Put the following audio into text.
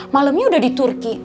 malemnya udah di turki